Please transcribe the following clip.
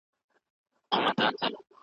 د ټولني ښه والی زموږ دنده ده.